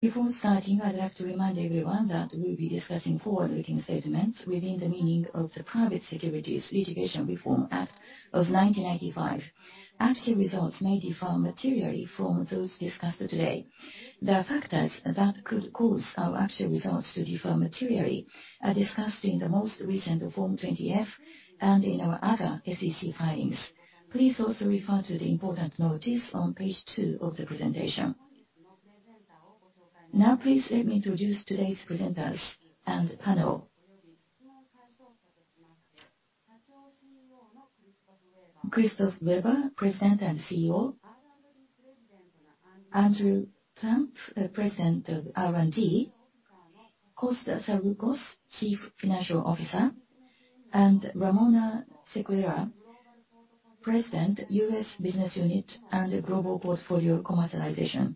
Before starting, I'd like to remind everyone that we'll be discussing forward-looking statements within the meaning of the Private Securities Litigation Reform Act of 1995. Actual results may differ materially from those discussed today. There are factors that could cause our actual results to differ materially, which are discussed in the most recent Form 20-F and in our other SEC filings. Please also refer to the important notice on page two of the presentation. Now, please let me introduce today's presenters and panel. Christophe Weber, President and CEO. Andrew Plump, President of R&D. Costa Saroukos, Chief Financial Officer. Ramona Sequeira, President, US Business Unit and Global Portfolio Commercialization.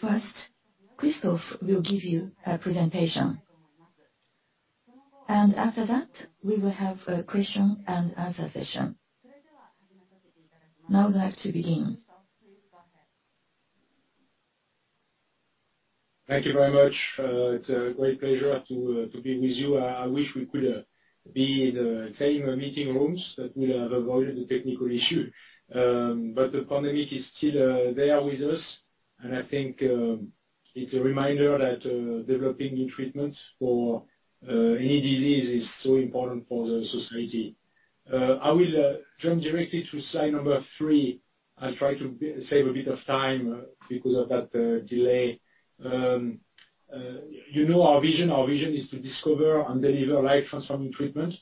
First, Christophe will give you a presentation. After that, we will have a question and answer session. Now I'd like to begin. Thank you very much. It's a great pleasure to be with you. I wish we could be in the same meeting rooms. That would have avoided the technical issue. But the pandemic is still there with us, and I think it's a reminder that developing new treatments for any disease is so important for the society. I will jump directly to slide number three. I'll try to save a bit of time because of that delay. You know our vision. Our vision is to discover and deliver life-transforming treatment,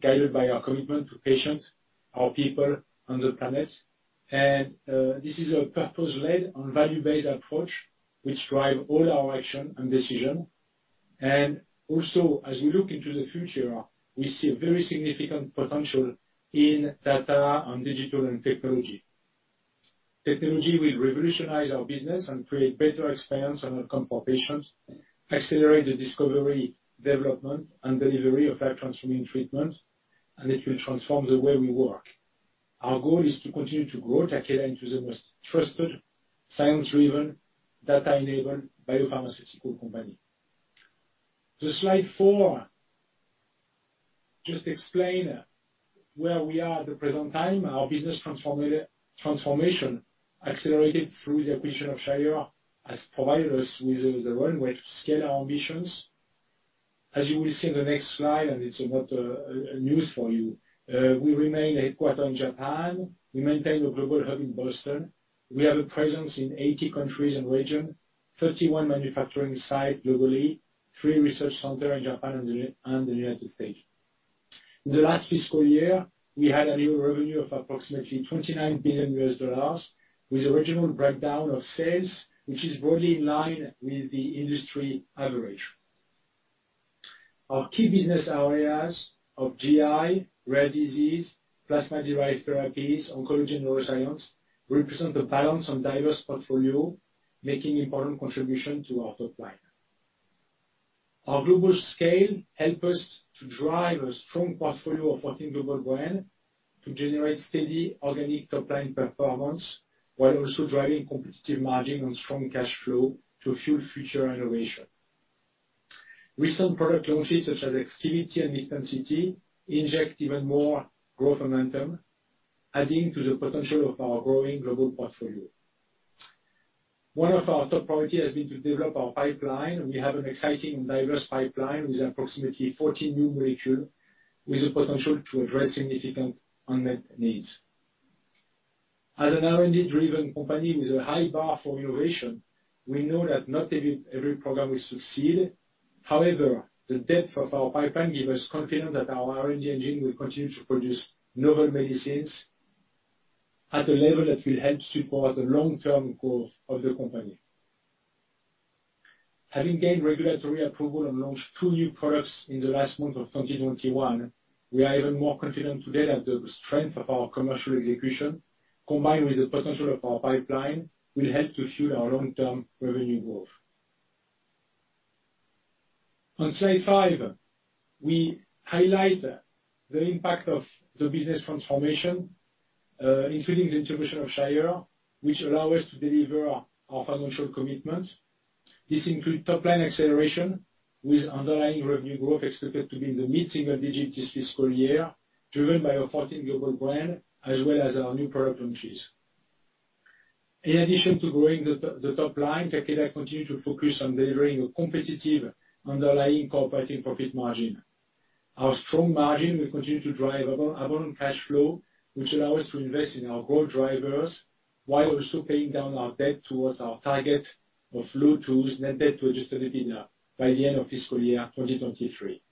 guided by our commitment to patients, our people on the planet. This is a purpose-led and value-based approach which drive all our action and decision. As we look into the future, we see a very significant potential in data and digital and technology. Technology will revolutionize our business and create better experience and outcome for patients, accelerate the discovery, development, and delivery of life-transforming treatment, and it will transform the way we work. Our goal is to continue to grow Takeda into the most trusted, science-driven, data-enabled biopharmaceutical company. To slide four, just explain where we are at the present time. Our business transformation accelerated through the acquisition of Shire has provided us with the runway to scale our ambitions. As you will see in the next slide, and it's not news for you, we remain headquartered in Japan. We maintain a global hub in Boston. We have a presence in 80 countries and regions, 31 manufacturing sites globally, three research centers in Japan and the United States. The last fiscal year, we had a net revenue of approximately $29 billion with a regional breakdown of sales, which is broadly in line with the industry average. Our key business areas of GI, rare disease, plasma-derived therapies, oncology, and neuroscience represent a balanced and diverse portfolio, making important contributions to our top line. Our global scale helps us to drive a strong portfolio of 14 Global Brands to generate steady organic top-line performance, while also driving competitive margins and strong cash flow to fuel future innovation. Recent product launches, such as EXKIVITY and LIVTENCITY, inject even more growth momentum, adding to the potential of our growing global portfolio. One of our top priorities has been to develop our pipeline. We have an exciting and diverse pipeline with approximately 14 new molecules, with the potential to address significant unmet needs. As an R&D-driven company with a high bar for innovation, we know that not every program will succeed. However, the depth of our pipeline gives us confidence that our R&D engine will continue to produce novel medicines at a level that will help support the long-term growth of the company. Having gained regulatory approval and launched two new products in the last month of 2021, we are even more confident today that the strength of our commercial execution, combined with the potential of our pipeline, will help to fuel our long-term revenue growth. On slide five, we highlight the impact of the business transformation, including the integration of Shire, which allows us to deliver our financial commitment. This includes top-line acceleration with underlying revenue growth expected to be in the mid-single digits this fiscal year, driven by our 14 Global Brands, as well as our new product launches. In addition to growing the top line, Takeda continues to focus on delivering a competitive underlying core operating profit margin. Our strong margin will continue to drive abundant cash flow, which allows us to invest in our growth drivers while also paying down our debt towards our target of low 2s net debt to adjusted EBITDA by the end of fiscal year 2023.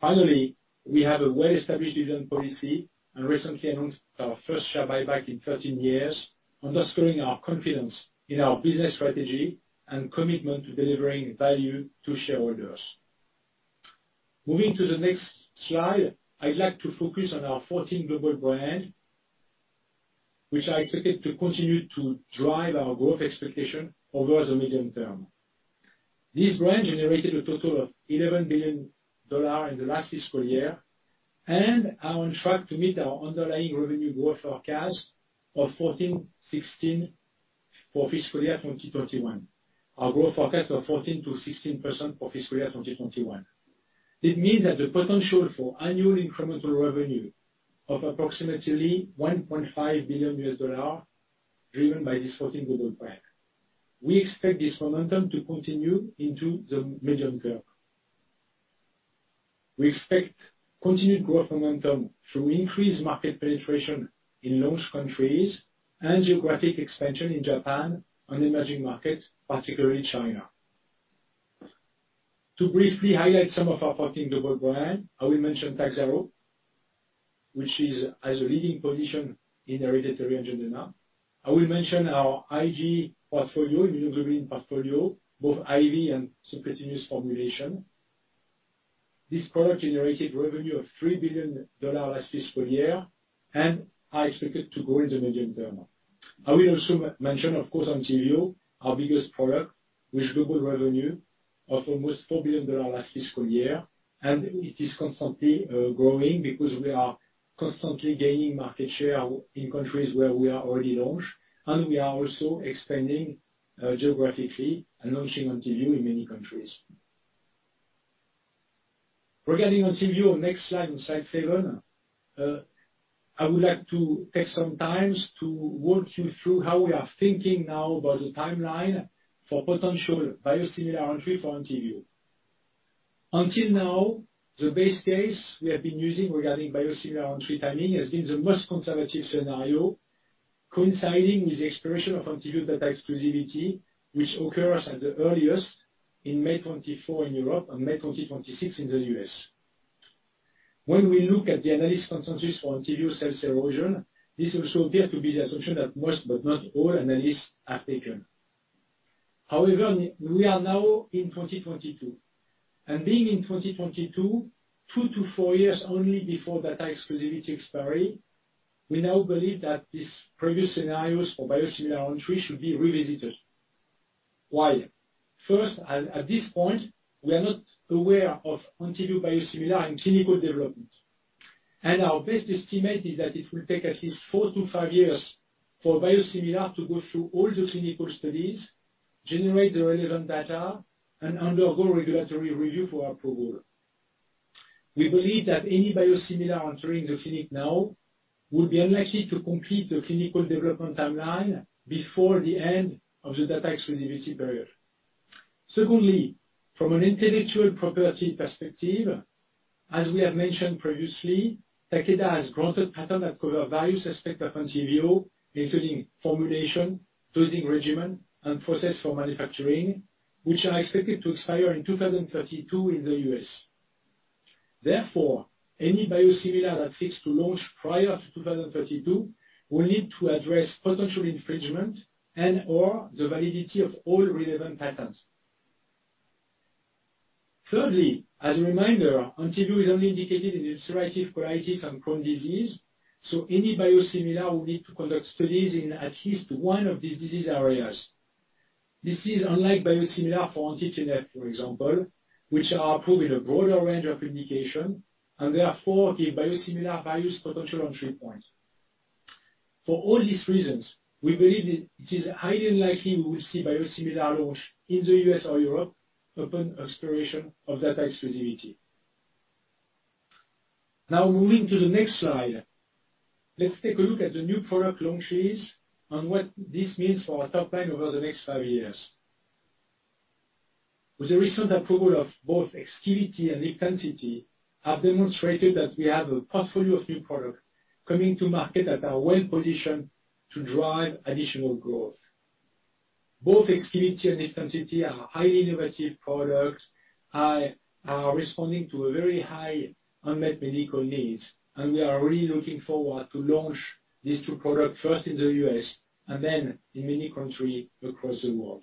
Finally, we have a well-established dividend policy and recently announced our first share buyback in 13 years, underscoring our confidence in our business strategy and commitment to delivering value to shareholders. Moving to the next slide, I'd like to focus on our 14 Global Brands, which I expect it to continue to drive our growth expectation over the medium term. This brand generated a total of $11 billion in the last fiscal year, and are on track to meet our underlying revenue growth forecast of 14/16 for FY 2021. Our growth forecast of 14%-16% for FY 2021. It means that the potential for annual incremental revenue of approximately $1.5 billion driven by this 14 Global Brands. We expect this momentum to continue into the medium term. We expect continued growth momentum through increased market penetration in launch countries and geographic expansion in Japan and emerging markets, particularly China. To briefly highlight some of our 14 Global Brands, I will mention TAKHZYRO, which is as a leading position in hereditary angioedema. I will mention our IG portfolio, immunoglobulin portfolio, both IV and subcutaneous formulation. This product generated revenue of $3 billion last fiscal year, and are expected to grow in the medium term. I will also mention, of course, ENTYVIO, our biggest product, which doubled revenue of almost $4 billion last fiscal year. It is constantly growing because we are constantly gaining market share in countries where we are already launched, and we are also expanding geographically and launching ENTYVIO in many countries. Regarding ENTYVIO, next slide on slide seven, I would like to take some time to walk you through how we are thinking now about the timeline for potential biosimilar entry for ENTYVIO. Until now, the base case we have been using regarding biosimilar entry timing has been the most conservative scenario coinciding with the expiration of ENTYVIO data exclusivity, which occurs at the earliest in May 2024 in Europe and May 2026 in the U.S. When we look at the analyst consensus for ENTYVIO sales erosion, this also appears to be the assumption that most, but not all, analysts have taken. However, we are now in 2022, and being in 2022, two-four years only before data exclusivity expiry, we now believe that these previous scenarios for biosimilar entry should be revisited. Why? First, at this point, we are not aware of ENTYVIO biosimilar in clinical development, and our best estimate is that it will take at least four-five years for biosimilar to go through all the clinical studies, generate the relevant data, and undergo regulatory review for approval. We believe that any biosimilar entering the clinic now will be unlikely to complete the clinical development timeline before the end of the data exclusivity period. Secondly, from an intellectual property perspective, as we have mentioned previously, Takeda has granted patent that cover various aspect of ENTYVIO, including formulation, dosing regimen, and process for manufacturing, which are expected to expire in 2032 in the U.S. Therefore, any biosimilar that seeks to launch prior to 2032 will need to address potential infringement and/or the validity of all relevant patents. Thirdly, as a reminder, ENTYVIO is only indicated in ulcerative colitis and Crohn's disease, so any biosimilar will need to conduct studies in at least one of these disease areas. This is unlike biosimilar for anti-TNF, for example, which are approved in a broader range of indication and therefore give biosimilar various potential entry points. For all these reasons, we believe it is highly unlikely we will see biosimilar launch in the U.S. or Europe upon expiration of data exclusivity. Now moving to the next slide. Let's take a look at the new product launches and what this means for our top line over the next five years. With the recent approval of both EXKIVITY and LIVTENCITY, I've demonstrated that we have a portfolio of new products coming to market that are well-positioned to drive additional growth. Both EXKIVITY and LIVTENCITY are highly innovative products and are responding to a very high unmet medical needs, and we are really looking forward to launch these two products first in the U.S. and then in many countries across the world.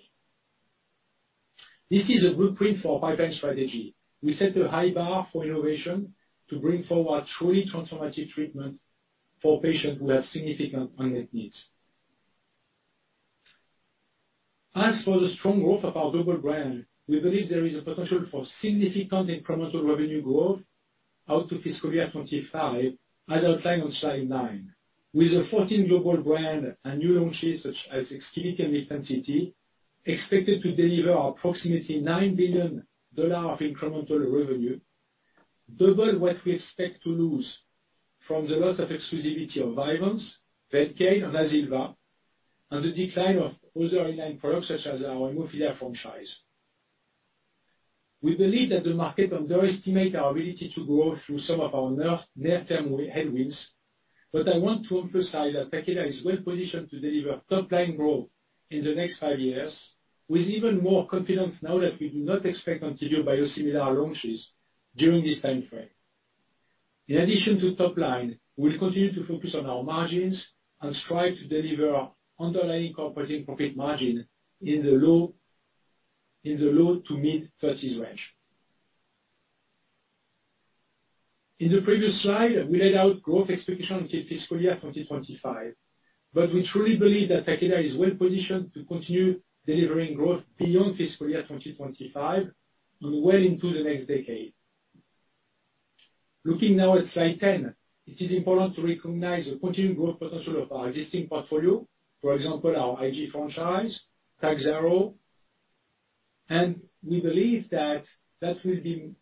This is a blueprint for our pipeline strategy. We set a high bar for innovation to bring forward truly transformative treatments for patients who have significant unmet needs. As for the strong growth of our global brands, we believe there is a potential for significant incremental revenue growth out to FY 2025, as outlined on slide nine. With the 14 Global Brands and new launches such as EXKIVITY and LIVTENCITY expected to deliver approximately $9 billion of incremental revenue, double what we expect to lose from the loss of exclusivity of VYVANSE, VELCADE, and AZILVA, and the decline of other in-line products such as our hemophilia franchise. We believe that the market underestimate our ability to grow through some of our near-term headwinds, but I want to emphasize that Takeda is well positioned to deliver top-line growth in the next five years with even more confidence now that we do not expect ENTYVIO biosimilar launches during this time frame. In addition to top line, we'll continue to focus on our margins and strive to deliver underlying corporate profit margin in the low to mid-30s range. In the previous slide, we laid out growth expectation until fiscal year 2025. We truly believe that Takeda is well-positioned to continue delivering growth beyond fiscal year 2025 and well into the next decade. Looking now at slide 10, it is important to recognize the continued growth potential of our existing portfolio. For example, our IG franchise, TAKHZYRO. We believe that that will be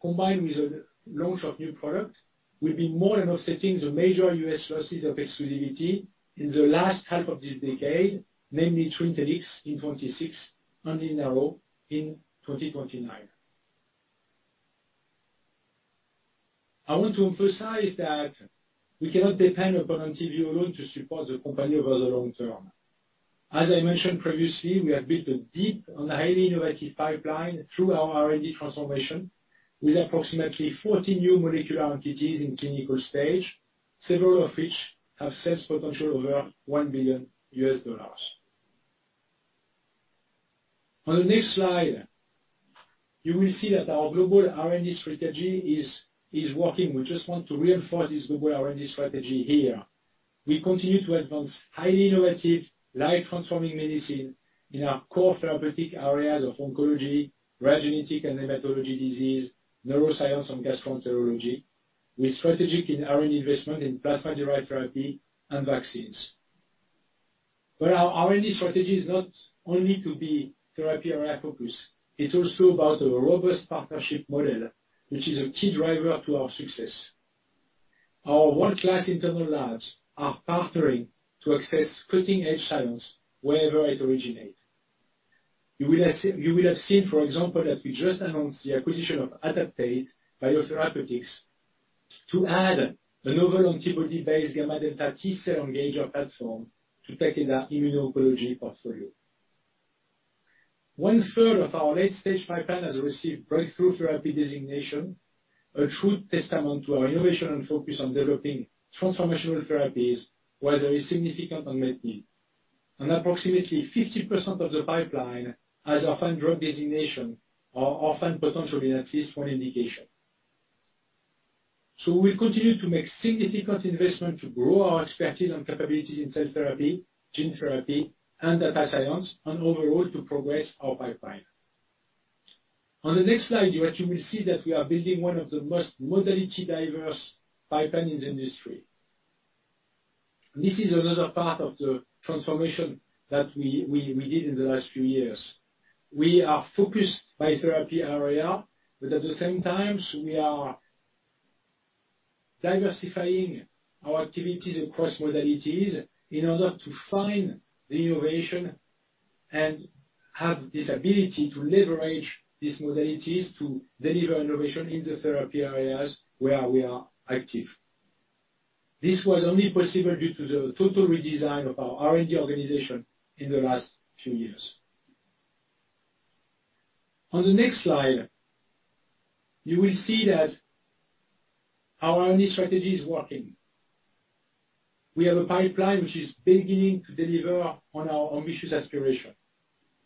combined with the launch of new product, will be more than offsetting the major US losses of exclusivity in the last half of this decade, namely TRINTELLIX in 2026 and ENTYVIO in 2029. I want to emphasize that we cannot depend upon ENTYVIO alone to support the company over the long term. As I mentioned previously, we have built a deep and highly innovative pipeline through our R&D transformation, with approximately 40 new molecular entities in clinical stage, several of which have sales potential over $1 billion. On the next slide, you will see that our global R&D strategy is working. We just want to reinforce this global R&D strategy here. We continue to advance highly innovative, life-transforming medicine in our core therapeutic areas of oncology, rare genetic and hematology disease, neuroscience and gastroenterology, with strategic investments in our investment in plasma-derived therapy and vaccines. Our RMD strategy is not only to be therapy area-focused, it's also about a robust partnership model, which is a key driver to our success. Our world-class internal labs are partnering to access cutting-edge science wherever it originates. You will have seen, for example, that we just announced the acquisition of Adaptate Biotherapeutics to add a novel antibody-based gamma delta T-cell engager platform to Takeda's immuno-oncology portfolio. One third of our late-stage pipeline has received Breakthrough Therapy Designation, a true testament to our innovation and focus on developing transformational therapies where there is significant unmet need. Approximately 50% of the pipeline has orphan drug designation or orphan potential in at least one indication. We continue to make significant investment to grow our expertise and capabilities in cell therapy, gene therapy, and data science, and overall to progress our pipeline. On the next slide, you actually will see that we are building one of the most modality-diverse pipeline in the industry. This is another part of the transformation that we did in the last few years. We are focused by therapy area, but at the same time, we are diversifying our activities across modalities in order to find the innovation and have this ability to leverage these modalities to deliver innovation in the therapy areas where we are active. This was only possible due to the total redesign of our R&D organization in the last few years. On the next slide, you will see that our R&D strategy is working. We have a pipeline which is beginning to deliver on our ambitious aspiration.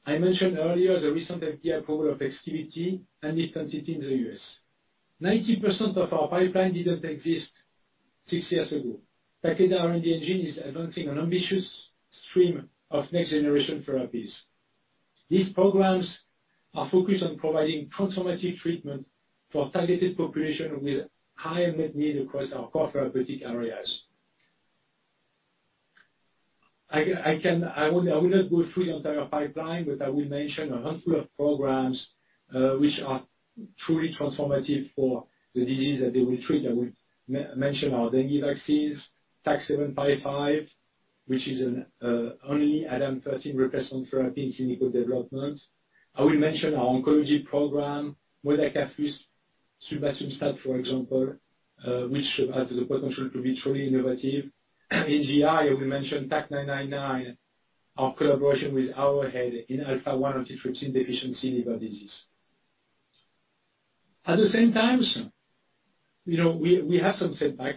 I mentioned earlier the recent FDA approval of EXKIVITY and ENTYVIO in the U.S. 90% of our pipeline didn't exist six years ago. Takeda R&D engine is advancing an ambitious stream of next-generation therapies. These programs are focused on providing transformative treatment for targeted population with high unmet need across our core therapeutic areas. I will not go through the entire pipeline, but I will mention a handful of programs which are truly transformative for the disease that they will treat. I will mention our dengue vaccines, TAK-755, which is the only ADAMTS13 replacement therapy in clinical development. I will mention our oncology program, Modakafusp Alfa, Subasumstat, for example, which have the potential to be truly innovative. In GI, we mentioned TAK-999, our collaboration with Arrowhead in alpha-1 antitrypsin deficiency liver disease. At the same time, you know, we have some setback.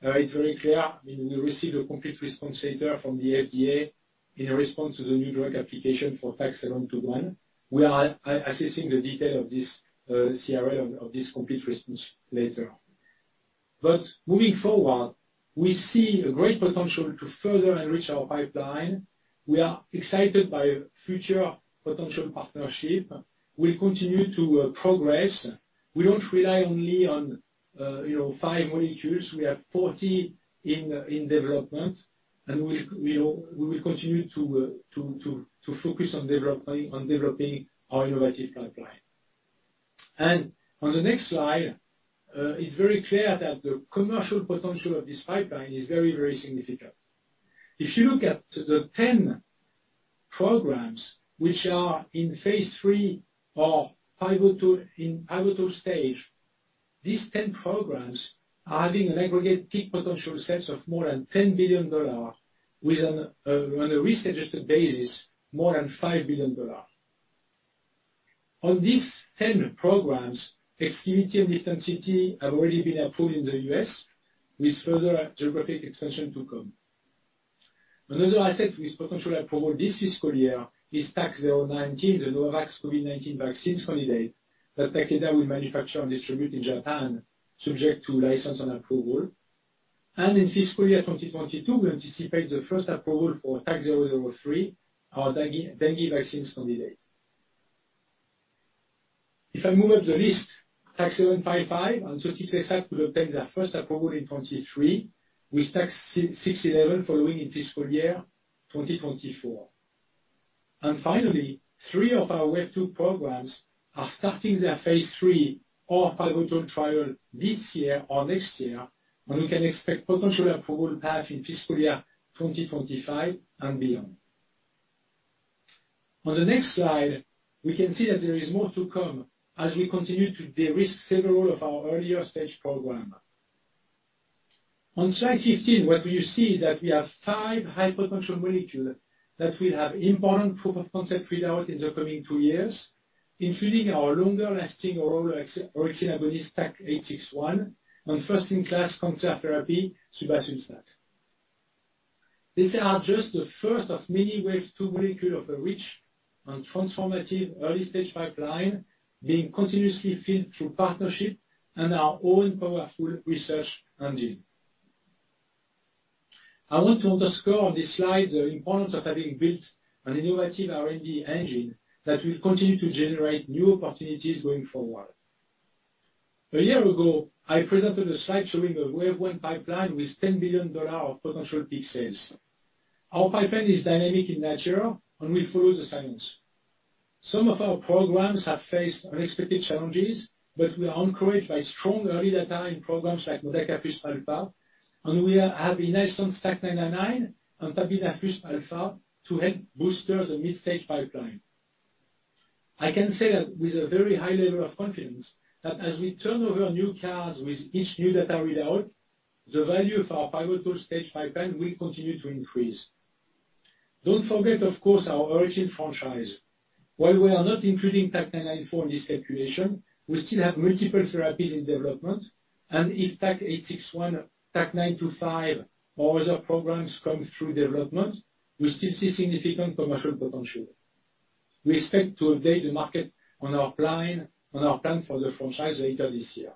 It's very clear. We received a complete response letter from the FDA in response to the new drug application for TAK-721. We are assessing the detail of this CRL of this complete response later. Moving forward, we see a great potential to further enrich our pipeline. We are excited by future potential partnership. We continue to progress. We don't rely only on, you know, five molecules. We have 40 in development, and we will continue to focus on developing our innovative pipeline. On the next slide, it's very clear that the commercial potential of this pipeline is very, very significant. If you look at the 10 programs which are in phase III or pivotal stage, these 10 programs are having an aggregate peak potential sales of more than $10 billion, with an, on a risk-adjusted basis, more than $5 billion. On these 10 programs, EXKIVITY and ENTYVIO have already been approved in the U.S., with further geographic expansion to come. Another asset with potential approval this fiscal year is TAK-019, the Novavax COVID-19 vaccine candidate that Takeda will manufacture and distribute in Japan subject to license and approval. In fiscal year 2022, we anticipate the first approval for TAK-003, our dengue vaccine candidate. If I move up the list, TAK-755 and TAK-861 could obtain their first approval in 2023, with TAK-611 following in fiscal year 2024. Finally, three of our wave two programs are starting their phase III or pivotal trial this year or next year, and we can expect potential approval path in fiscal year 2025 and beyond. On the next slide, we can see that there is more to come as we continue to de-risk several of our earlier stage programs. On slide 15, what you see is that we have five high potential molecules that will have important proof of concept readout in the coming two years, including our longer-lasting oral orexin agonist, TAK-861, and first-in-class cancer therapy, Subasumstat. These are just the first of many wave two molecule of a rich and transformative early stage pipeline being continuously filled through partnership and our own powerful research engine. I want to underscore on this slide the importance of having built an innovative R&D engine that will continue to generate new opportunities going forward. A year ago, I presented a slide showing a wave one pipeline with $10 billion of potential peak sales. Our pipeline is dynamic in nature, and we follow the science. Some of our programs have faced unexpected challenges, but we are encouraged by strong early data in programs like Modakafusp alfa, and we have Mezagitamab, TAK-999, and pabinafusp alfa to help boost the mid-stage pipeline. I can say that with a very high level of confidence that as we turn over new cards with each new data readout, the value of our pivotal stage pipeline will continue to increase. Don't forget, of course, our oncology franchise. While we are not including TAK-994 in this calculation, we still have multiple therapies in development. If TAK-861, TAK-925, or other programs come through development, we still see significant commercial potential. We expect to update the market on our plan for the franchise later this year.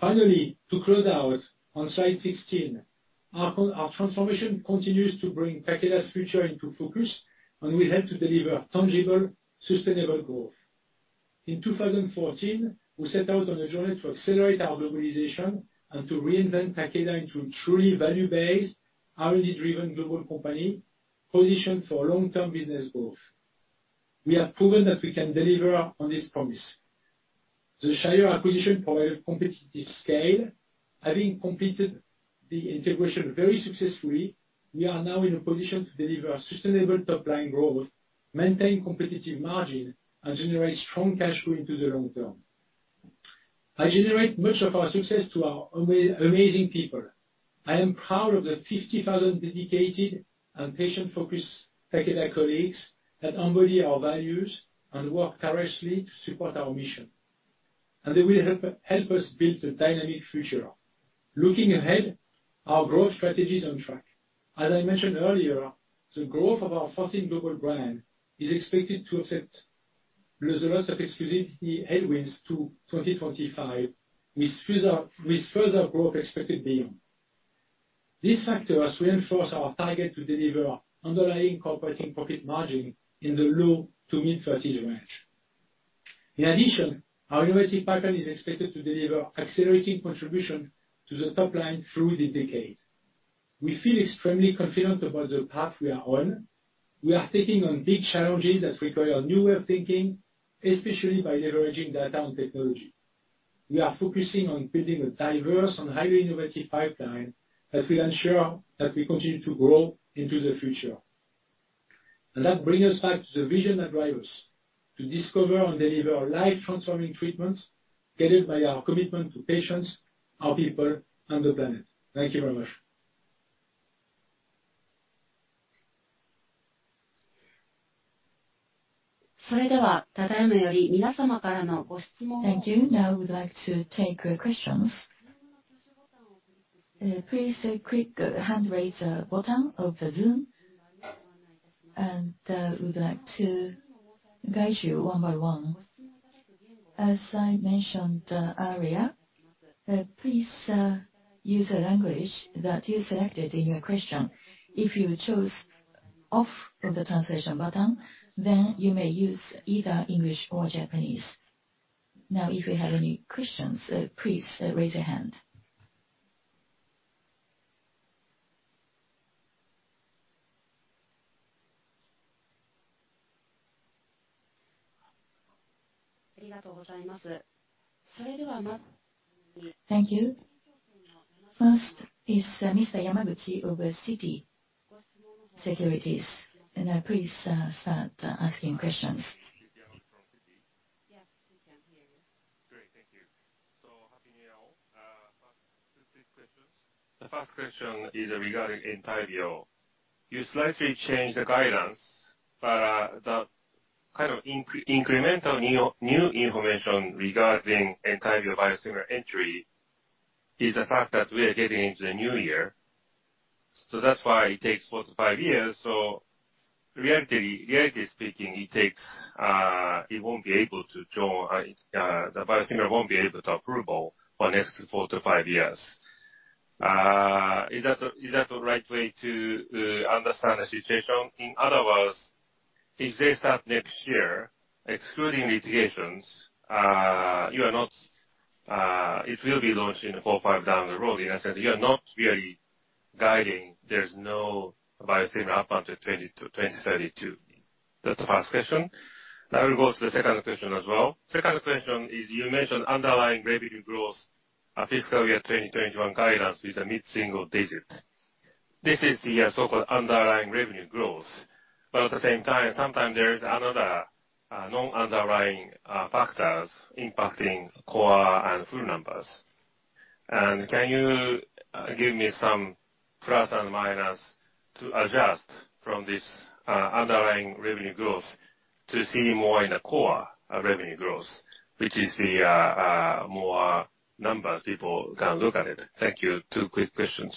Finally, to close out on slide 16, our transformation continues to bring Takeda's future into focus, and will help to deliver tangible, sustainable growth. In 2014, we set out on a journey to accelerate our globalization and to reinvent Takeda into a truly value-based, R&D-driven global company positioned for long-term business growth. We have proven that we can deliver on this promise. The Shire acquisition provided competitive scale. Having completed the integration very successfully, we are now in a position to deliver sustainable top-line growth, maintain competitive margin, and generate strong cash flow into the long term. I attribute much of our success to our amazing people. I am proud of the 50,000 dedicated and patient-focused Takeda colleagues that embody our values and work tirelessly to support our mission. They will help us build a dynamic future. Looking ahead, our growth strategy is on track. As I mentioned earlier, the growth of our 14 Global Brands is expected to offset the loss of exclusivity headwinds to 2025, with further growth expected beyond. These factors reinforce our target to deliver underlying core operating profit margin in the low- to mid-30s% range. In addition, our innovative pipeline is expected to deliver accelerating contribution to the top line through the decade. We feel extremely confident about the path we are on. We are taking on big challenges that require a new way of thinking, especially by leveraging data and technology. We are focusing on building a diverse and highly innovative pipeline that will ensure that we continue to grow into the future. That brings us back to the vision that drives us, to discover and deliver life-transforming treatments guided by our commitment to patients, our people, and the planet. Thank you very much. Thank you. Now we'd like to take questions. Please click hand raiser button of the Zoom, and we'd like to guide you one by one. As I mentioned earlier, please use the language that you selected in your question. If you chose off of the translation button, then you may use either English or Japanese. Now, if you have any questions, please raise your hand. Thank you. First is Mr. Yamaguchi over Citi Securities. Please start asking questions. This is Yamaguchi from Citi. Yes, we can hear you. Great. Thank you. Happy New Year, all. First, two quick questions. The first question is regarding ENTYVIO. You slightly changed the guidance, but the kind of incremental new information regarding ENTYVIO biosimilar entry is the fact that we are getting into the new year. That's why it takes four-five years. Reality speaking, it takes. It won't be able to join, the biosimilar won't be able to approval for the next four-five years. Is that the right way to understand the situation? In other words, if they start next year excluding litigations, you are not. It will be launched in four or five down the road. In that sense, you are not really guiding, there's no biosimilar up until 2032. That's the first question. Now, I will go to the second question as well. Second question is you mentioned underlying revenue growth of fiscal year 2021 guidance is a mid-single digit. This is the so-called underlying revenue growth. But at the same time, sometimes there is another non-underlying factors impacting core and full numbers. Can you give me some plus and minus to adjust from this underlying revenue growth to see more in the core of revenue growth, which is the more numbers people can look at it? Thank you. Two quick questions.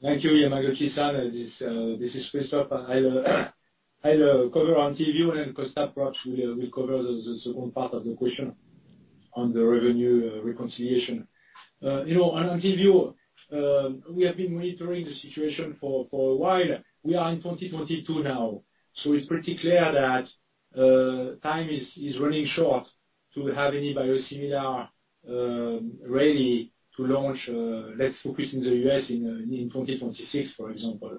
Thank you, Yamaguchi San. This is Christophe. I'll cover ENTYVIO and Costa perhaps will cover the second part of the question on the revenue reconciliation. You know, on ENTYVIO, we have been monitoring the situation for a while. We are in 2022 now. It's pretty clear that time is running short to have any biosimilar ready to launch, let's focus in the US in 2026, for example.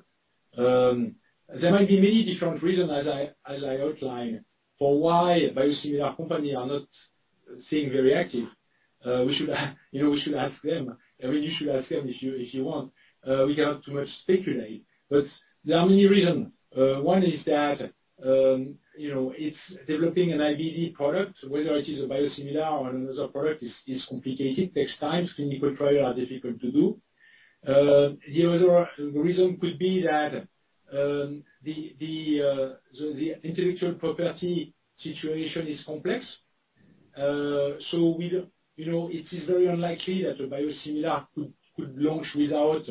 There might be many different reasons as I outline for why biosimilar companies are not seeming very active. We should, you know, ask them. I mean, you should ask them if you want. We cannot speculate too much. There are many reasons. One is that, you know, it's developing an IVD product. Whether it is a biosimilar or another product is complicated. It takes time. Clinical trials are difficult to do. The other reason could be that the intellectual property situation is complex. You know, it is very unlikely that a biosimilar could launch without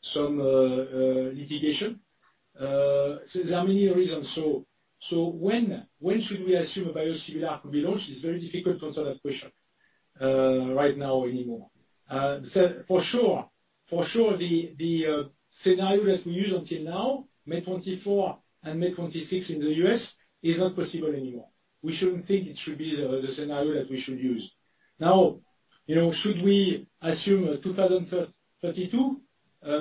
some litigation. There are many reasons. When should we assume a biosimilar could be launched? It's very difficult to answer that question right now anymore. For sure the scenario that we use until now, May 2024 and May 2026 in the U.S., is not possible anymore. We shouldn't think it should be the scenario that we should use. Now, you know, should we assume 2032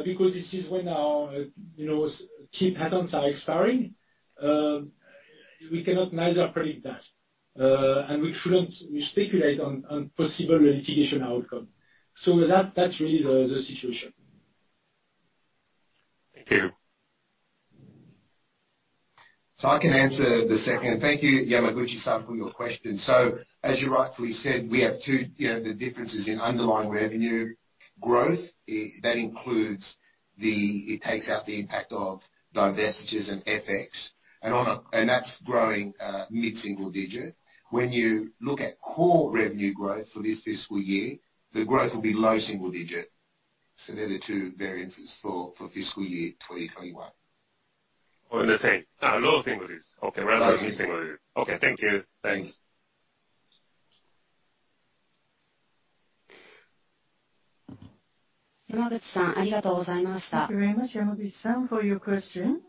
because this is when our, you know, key patents are expiring, we cannot neither predict that. We shouldn't speculate on possible litigation outcome. That's really the situation. Thank you. I can answer the second. Thank you, Yamaguchi San, for your question. As you rightfully said, we have two, the differences in underlying revenue growth that takes out the impact of divestitures and FX. And that's growing mid-single digit. When you look at core revenue growth for this fiscal year, the growth will be low single digit. They're the two variances for fiscal year 2021. Oh, I understand. Low single digits. Okay. Rather than mid-single digit. Low single digit. Okay. Thank you. Thanks. Thank you very much, Yamaguchi-san, for your question.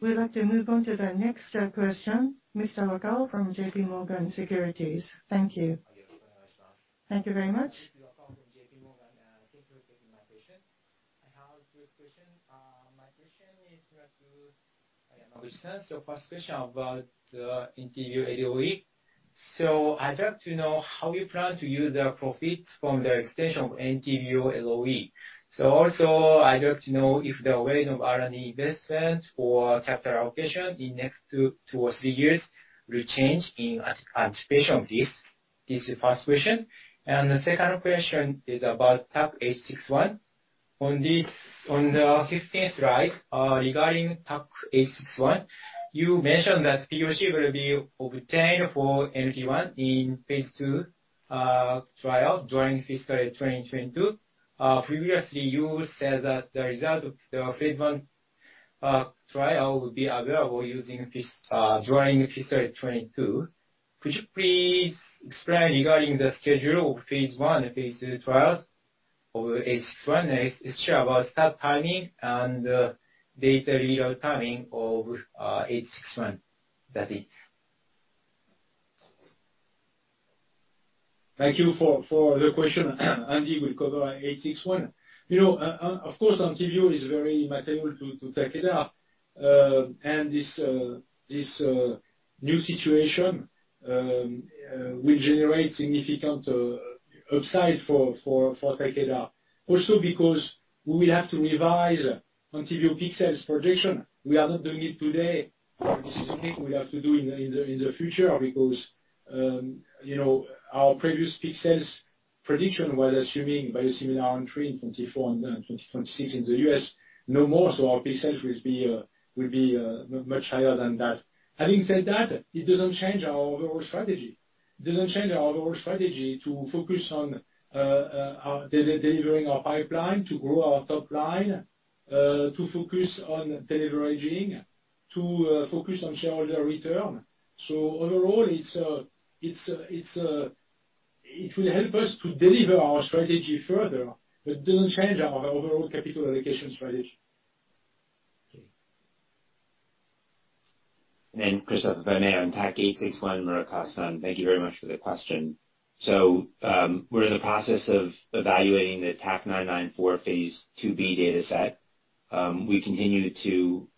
We'd like to move on to the next question, Mr. Muraoka from J.P. Morgan Securities. Thank you. Thank you very much. Thank you for taking my question. I have two question. My question is related, Yamaguchi-san. First question about Entyvio LOE. I'd like to know how you plan to use the profits from the extension of Entyvio LOE. Also I'd like to know if the rate of R&D investment or capital allocation in next two or three years will change in anticipation of this. This is the first question. The second question is about TAK-861. On the 15th slide, regarding TAK-861, you mentioned that POC will be obtained for NT1 in phase II trial during fiscal year 2022. Previously you said that the result of the phase I trial would be available using this during fiscal year 2022. Could you please explain regarding the schedule of phase I and phase II trials for 861? Especially about start timing and data read out timing of 861. That's it. Thank you for the question. Andy will cover 861. You know, of course ENTYVIO is very material to Takeda. And this new situation will generate significant upside for Takeda. Also because we have to revise ENTYVIO peak sales projection. We are not doing it today. This is something we have to do in the future because you know, our previous peak sales prediction was assuming biosimilar entry in 2024 and then 2026 in the US, no more. So our peak sales will be much higher than that. Having said that, it doesn't change our overall strategy. It doesn't change our overall strategy to focus on delivering our pipeline, to grow our top line, to focus on deleveraging, to focus on shareholder return. Overall, it will help us to deliver our strategy further, but don't change our overall capital allocation strategy. Okay. Christophe, if I may, on TAK-861, Muraoka-san. Thank you very much for the question. We're in the process of evaluating the TAK-994 phase IIb dataset. We continue to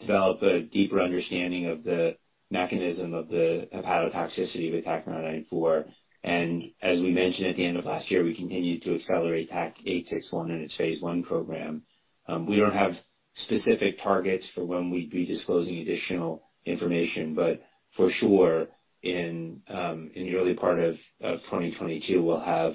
develop a deeper understanding of the mechanism of the hepatotoxicity of TAK-994. As we mentioned at the end of last year, we continue to accelerate TAK-861 in its phase I program. We don't have specific targets for when we'd be disclosing additional information, but for sure in the early part of 2022, we'll have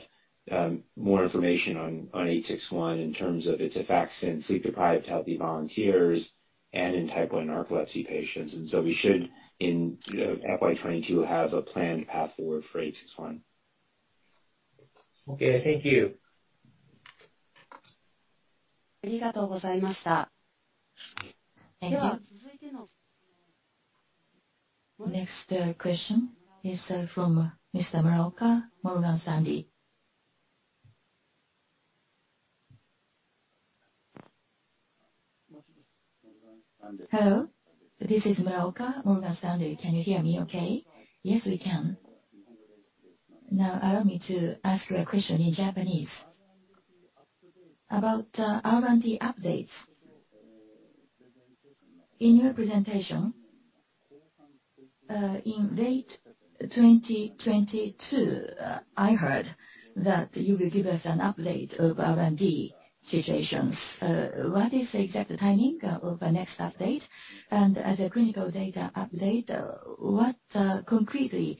more information on 861 in terms of its effects in sleep deprived healthy volunteers and in narcolepsy type one patients. We should in FY 2022 have a planned path forward for 861. Okay, thank you. Thank you. Next, question is from Mr. Muraoka, Morgan Stanley. Hello, this is Muraoka, Morgan Stanley. Can you hear me okay? Yes, we can. Now allow me to ask you a question in Japanese. About R&D updates. In your presentation in late 2022, I heard that you will give us an update of R&D situations. What is the exact timing of the next update? And as a clinical data update, what concretely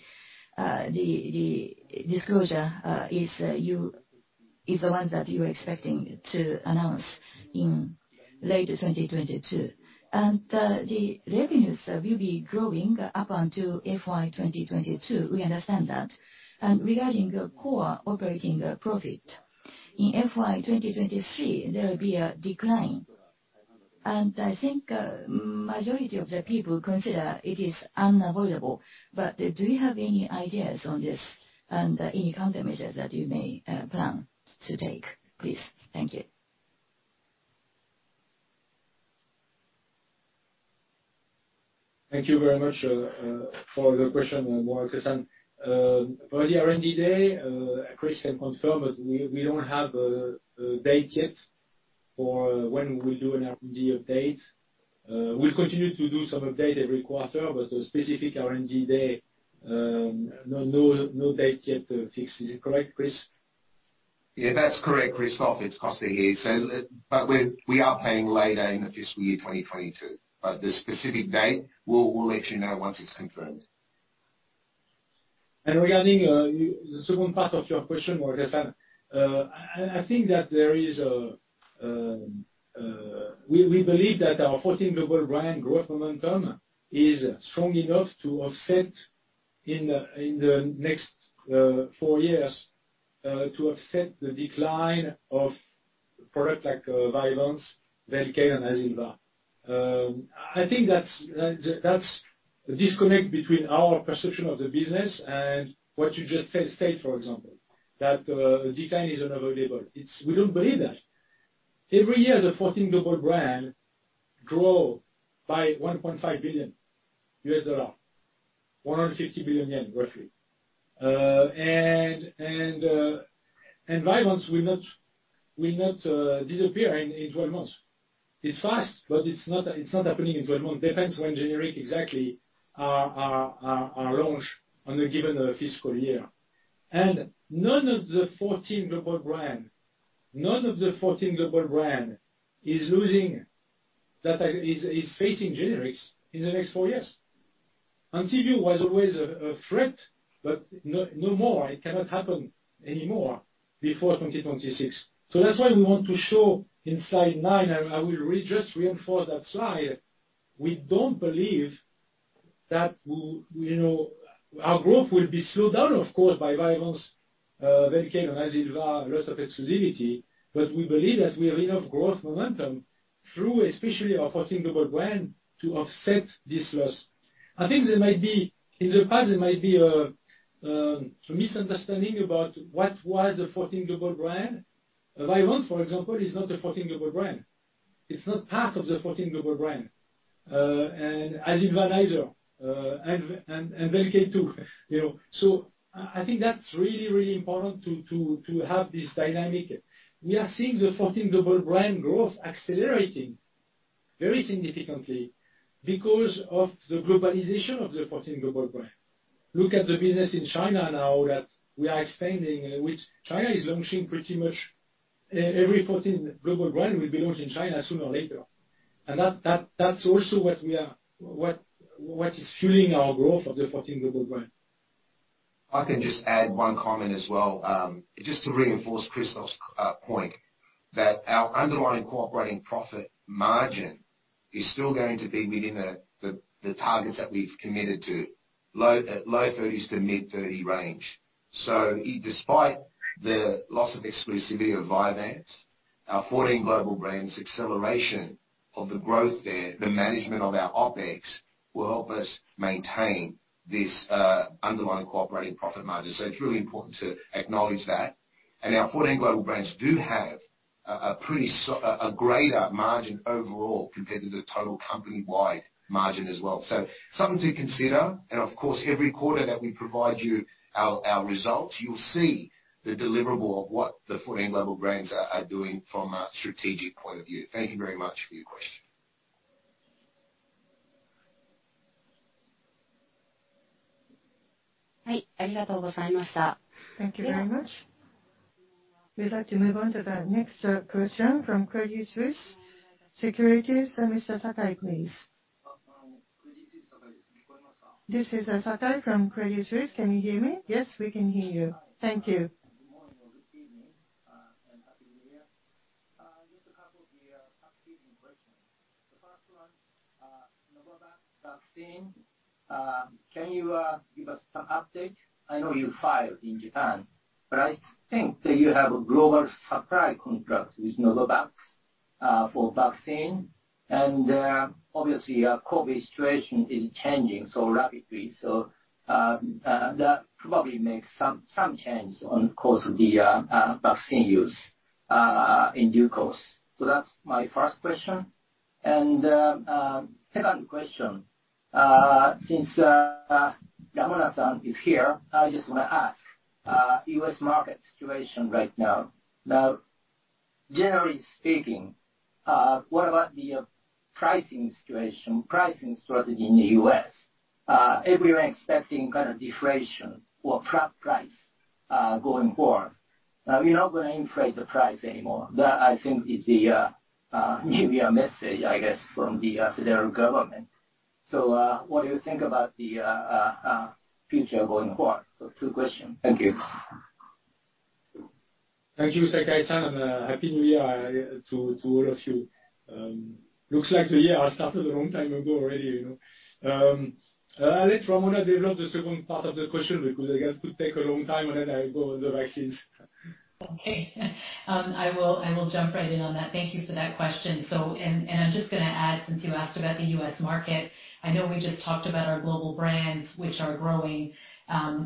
the disclosure is? Is the one that you're expecting to announce in late 2022? The revenues will be growing up until FY 2022. We understand that. Regarding the core operating profit, in FY 2023, there will be a decline. I think majority of the people consider it is unavoidable. Do you have any ideas on this and any countermeasures that you may plan to take, please? Thank you. Thank you very much for the question, Muraoka-san. For the R&D day, Chris can confirm that we don't have a date yet for when we'll do an R&D update. We'll continue to do some update every quarter, but a specific R&D day, no date yet fixed. Is it correct, Chris? Yeah, that's correct, Christophe. It's Costa here. We are planning later in the fiscal year 2022. The specific date, we'll let you know once it's confirmed. Regarding the second part of your question, Muraoka-san, I think that there is a... We believe that our 14 Global Brands growth momentum is strong enough to offset in the next four years to offset the decline of products like Vyvanse, VELCADE and AZILVA. I think that's a disconnect between our perception of the business and what you just stated, for example, that decline is unavoidable. We don't believe that. Every year, the 14 Global Brands grow by $1.5 billion, JPY 150 billion roughly. And Vyvanse will not disappear in 12 months. It's fast, but it's not happening in 12 months. It depends when generics exactly are launched on a given fiscal year. None of the 14 Global Brands is facing generics in the next four years. ENTYVIO was always a threat, but no more. It cannot happen anymore before 2026. That's why we want to show in slide nine. I will just reinforce that slide. We don't believe that our growth will be slowed down of course by Vyvanse, VELCADE and AZILVA loss of exclusivity. We believe that we have enough growth momentum through especially our 14 Global Brands to offset this loss. I think there might be a misunderstanding in the past about what the 14 Global Brands were. Vyvanse, for example, is not a 14 Global Brand. It's not part of the 14 Global Brands. AZILVA neither, and VELCADE too, you know. I think that's really important to have this dynamic. We are seeing the 14 Global Brands growth accelerating very significantly because of the globalization of the 14 Global Brands. Look at the business in China now that we are expanding, which China is launching pretty much every 14 Global Brands will be launched in China sooner or later. That’s also what is fueling our growth of the 14 Global Brands. I can just add one comment as well, just to reinforce Christophe's point, that our underlying operating profit margin is still going to be within the targets that we've committed to, low-30s% to mid-30s% range. Despite the loss of exclusivity of Vyvanse, our 14 Global Brands acceleration of the growth there, the management of our OpEx will help us maintain this underlying operating profit margin. It's really important to acknowledge that. Our 14 Global Brands do have a pretty greater margin overall compared to the total company-wide margin as well. Something to consider. Of course, every quarter that we provide you our results, you'll see the deliverable of what the 14 Global Brands are doing from a strategic point of view. Thank you very much for your question. Thank you very much. We'd like to move on to the next question from Credit Suisse Securities, Mr. Sakai, please. This is Sakai from Credit Suisse. Can you hear me? Yes, we can hear you. Thank you. Good morning or good evening, and happy new year. Just a couple of housekeeping questions. The first one, Novavax vaccine, can you give us some update? I know you filed in Japan, but I think that you have a global supply contract with Novavax for vaccine. Obviously our COVID situation is changing so rapidly. That probably makes some change on course of the vaccine use in due course. That's my first question. Second question. Since Ramona is here, I just wanna ask U.S. market situation right now. Now, generally speaking, what about the pricing situation, pricing strategy in the U.S.? Everyone expecting kind of deflation or flat price going forward. Now we're not gonna inflate the price anymore. That, I think, is the maybe a message, I guess, from the federal government. What do you think about the future going forward? Two questions. Thank you. Thank you, Sakai-san, and happy new year to all of you. Looks like the year has started a long time ago already, you know. I'll let Ramona develop the second part of the question because I guess it could take a long time, and then I go on the vaccines. Okay. I will jump right in on that. Thank you for that question. I'm just gonna add, since you asked about the U.S. market, I know we just talked about our global brands, which are growing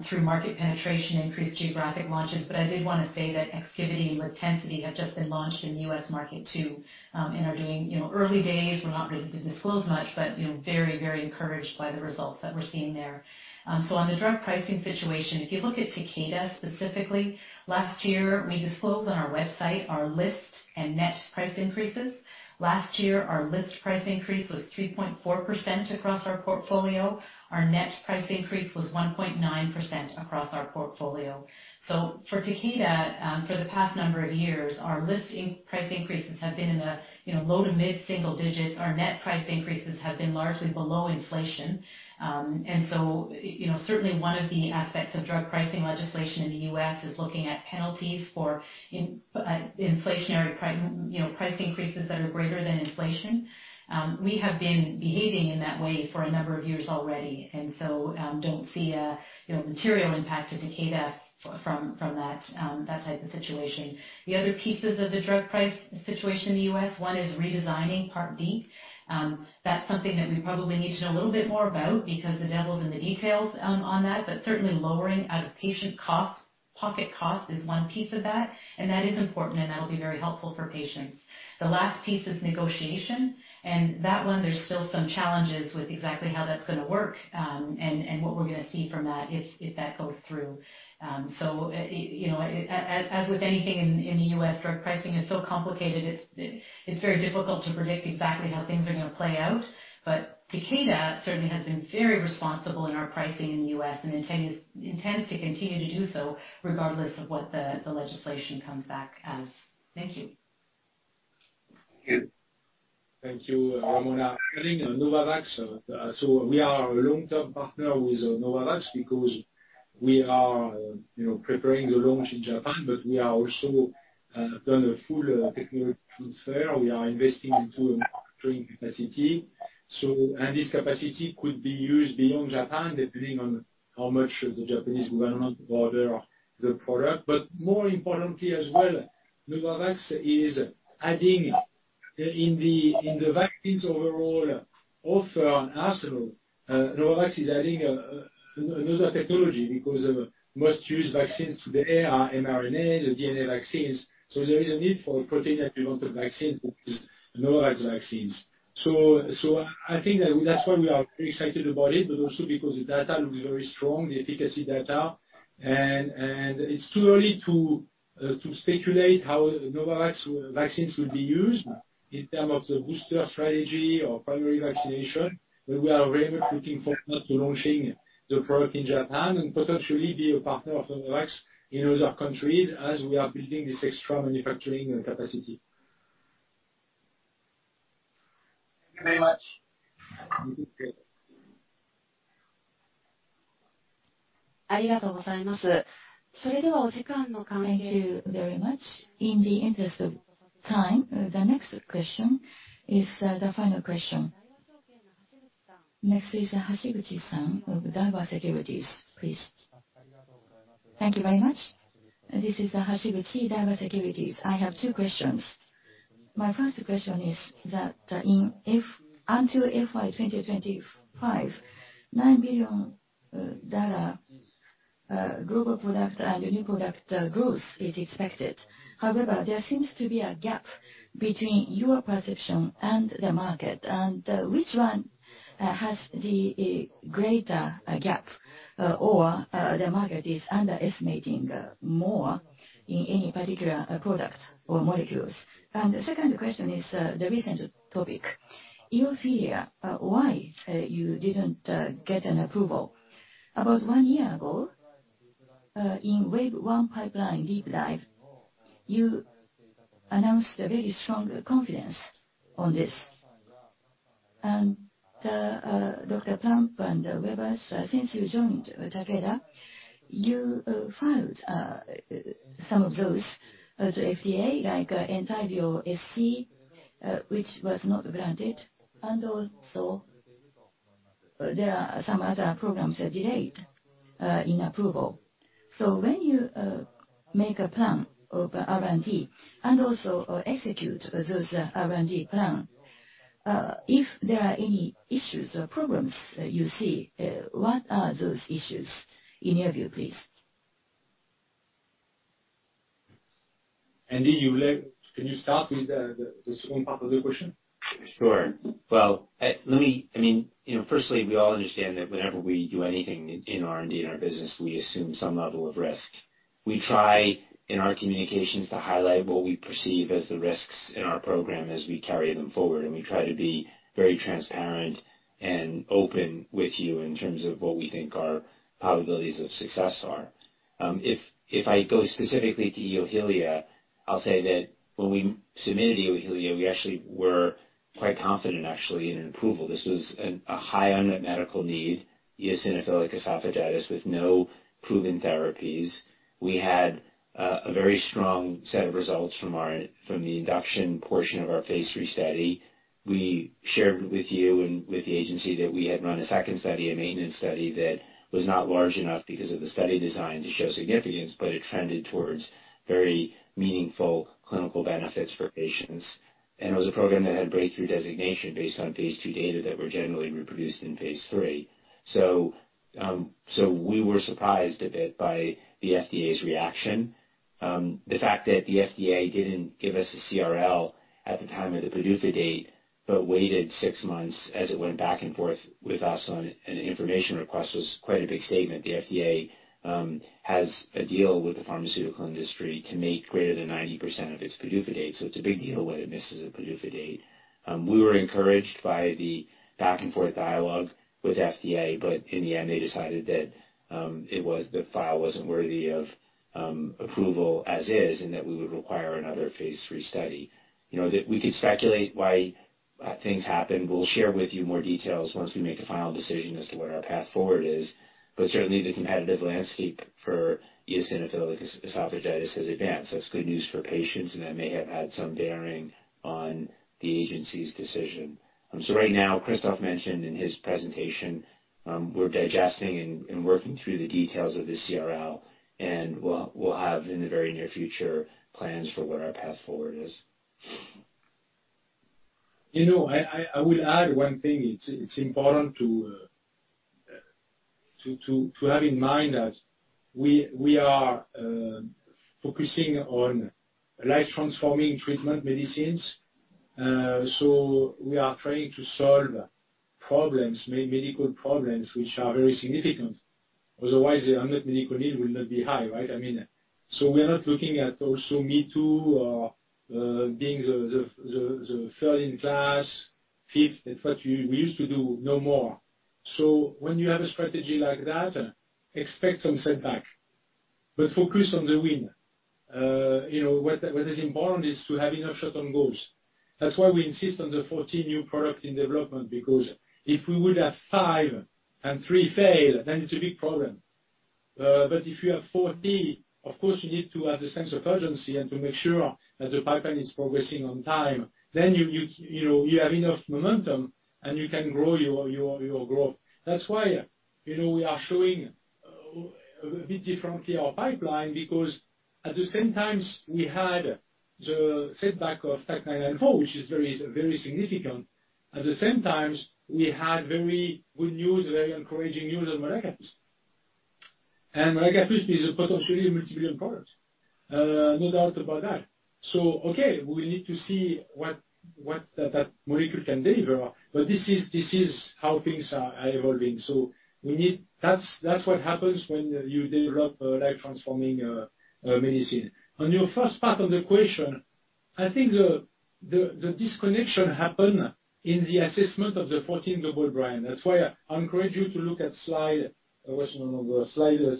through market penetration, increased geographic launches. I did wanna say that EXKIVITY and LIVTENCITY have just been launched in the U.S. market too, and are doing, you know, early days. We're not ready to disclose much, but, you know, very, very encouraged by the results that we're seeing there. On the drug pricing situation, if you look at Takeda specifically, last year, we disclosed on our website our list and net price increases. Last year, our list price increase was 3.4% across our portfolio. Our net price increase was 1.9% across our portfolio. For Takeda, for the past number of years, our list price increases have been in a, you know, low- to mid-single digits. Our net price increases have been largely below inflation. You know, certainly one of the aspects of drug pricing legislation in the U.S. is looking at penalties for inflationary price increases that are greater than inflation. We have been behaving in that way for a number of years already. Don't see a, you know, material impact to Takeda from that type of situation. The other pieces of the drug price situation in the U.S., one is redesigning Part D. That's something that we probably need to know a little bit more about because the devil's in the details, on that. Certainly lowering out-of-pocket costs, pocket costs is one piece of that, and that is important, and that'll be very helpful for patients. The last piece is negotiation, and that one, there's still some challenges with exactly how that's gonna work, and what we're gonna see from that if that goes through. You know, as with anything in the U.S., drug pricing is so complicated, it's very difficult to predict exactly how things are gonna play out. Takeda certainly has been very responsible in our pricing in the U.S. and intends to continue to do so regardless of what the legislation comes back as. Thank you. Thank you. Thank you, Ramona. On Novavax, we are a long-term partner with Novavax because we are, you know, preparing the launch in Japan, but we are also done a full technology transfer. We are investing into manufacturing capacity. This capacity could be used beyond Japan depending on how much the Japanese government order the product. But more importantly as well, Novavax is adding in the vaccines overall offer and arsenal another technology because most used vaccines today are mRNA, the DNA vaccines. There is a need for protein and preventive vaccines, which is Novavax vaccines. I think that that's why we are very excited about it, but also because the data looks very strong, the efficacy data. It's too early to speculate how Novavax vaccines will be used in terms of the booster strategy or primary vaccination. We are very much looking forward to launching the product in Japan and potentially be a partner of Novavax in other countries as we are building this extra manufacturing capacity. Thank you very much. Thank you very much. In the interest of time, the next question is, the final question. Next is Hashiguchi-san of Daiwa Securities, please. Thank you very much. This is Hashiguchi, Daiwa Securities. I have two questions. My first question is that, in FY 2025, JPY 9 billion data global product and new product growth is expected. However, there seems to be a gap between your perception and the market, and, which one has the greater gap, or the market is underestimating more in any particular product or molecules. The second question is, the recent topic. Eohilia, why you didn't get an approval. About one year ago, in wave one pipeline deep dive, you announced a very strong confidence on this. Dr. Plump and Weber, since you joined Takeda, you filed some of those to FDA, like ENTYVIO SC, which was not granted, and also there are some other programs that delayed in approval. When you make a plan of R&D and also execute those R&D plan, if there are any issues or problems, you see, what are those issues in your view, please? Andrew, could you start with the second part of the question? Sure. Well, you know, firstly, we all understand that whenever we do anything in R&D in our business, we assume some level of risk. We try in our communications to highlight what we perceive as the risks in our program as we carry them forward, and we try to be very transparent and open with you in terms of what we think our probabilities of success are. If I go specifically to Eohilia, I'll say that when we submitted Eohilia, we actually were quite confident in an approval. This was a high unmet medical need, eosinophilic esophagitis, with no proven therapies. We had a very strong set of results from the induction portion of our phase III study. We shared with you and with the agency that we had run a second study, a maintenance study, that was not large enough because of the study design to show significance, but it trended towards very meaningful clinical benefits for patients. It was a program that had Breakthrough Therapy Designation based on phase II data that were generally reproduced in phase III. So we were surprised a bit by the FDA's reaction. The fact that the FDA didn't give us a CRL at the time of the PDUFA date, but waited six months as it went back and forth with us on an information request was quite a big statement. The FDA has a deal with the pharmaceutical industry to make greater than 90% of its PDUFA dates, so it's a big deal when it misses a PDUFA date. We were encouraged by the back-and-forth dialogue with FDA, but in the end, they decided that it was the file wasn't worthy of approval as is, and that we would require another phase III study. You know, that we could speculate why things happen. We'll share with you more details once we make a final decision as to what our path forward is. Certainly the competitive landscape for eosinophilic esophagitis has advanced. That's good news for patients, and that may have had some bearing on the agency's decision. Right now, Christophe mentioned in his presentation, we're digesting and working through the details of the CRL, and we'll have in the very near future plans for what our path forward is. You know, I would add one thing. It's important to have in mind that we are focusing on life-transforming treatment medicines. We are trying to solve problems, medical problems, which are very significant. Otherwise, the unmet medical need will not be high, right? I mean, we are not looking at also me too or being the third in class, fifth, that what we used to do no more. When you have a strategy like that, expect some setback, but focus on the win. You know, what is important is to have enough shot on goals. That's why we insist on the 14 new product in development because if we would have five and three fail, then it's a big problem. If you have 14, of course you need to have the sense of urgency and to make sure that the pipeline is progressing on time. You know, you have enough momentum, and you can grow your growth. That's why, you know, we are showing a bit differently our pipeline because at the same time we had the setback of TAK-994, which is very, very significant. At the same time, we had very good news, very encouraging news on mobocertinib. And mobocertinib is a potentially multi-billion product. No doubt about that. We need to see what that molecule can deliver, but this is how things are evolving. That's what happens when you develop a life-transforming medicine. On your first part of the question, I think the disconnection happened in the assessment of the 14 Global Brands. That's why I encourage you to look at Slide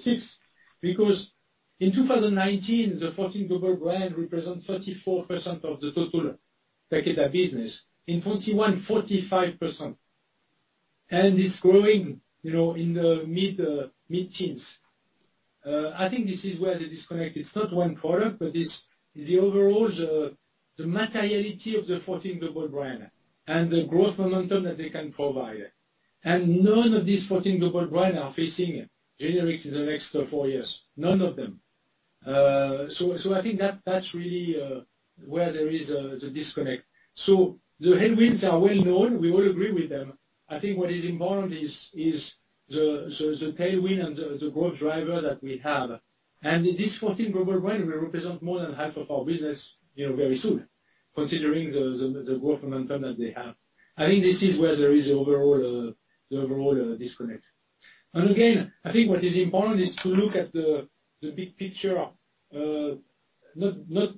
six. Because in 2019, the 14 Global Brands represent 34% of the total Takeda business. In 2021, 44%. It's growing in the mid-teens. I think this is where the disconnect. It's not one product, but it's the overall materiality of the 14 Global Brands and the growth momentum that they can provide. None of these 14 Global Brands are facing generics in the next four years. None of them. I think that's really where there is the disconnect. The headwinds are well-known. We all agree with them. I think what is important is the tailwind and the growth driver that we have. This 14 Global Brands will represent more than half of our business, you know, very soon, considering the growth momentum that they have. I think this is where there is the overall disconnect. Again, I think what is important is to look at the big picture, not.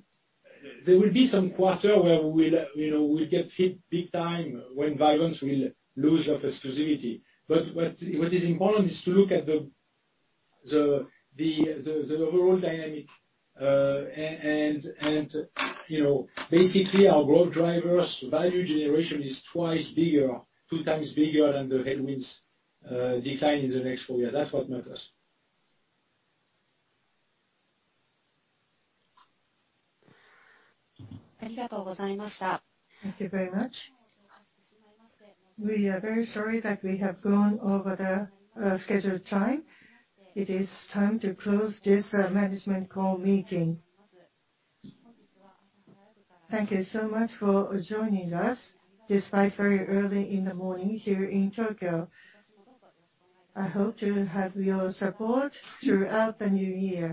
There will be some quarter where we'll, you know, get hit big time when Vyvanse will lose their exclusivity. But what is important is to look at the overall dynamic, and, you know, basically our growth drivers. Value generation is twice bigger, two times bigger than the headwinds decline in the next four years. That's what matters. Thank you very much. We are very sorry that we have gone over the scheduled time. It is time to close this management call meeting. Thank you so much for joining us despite very early in the morning here in Tokyo. I hope to have your support throughout the new year.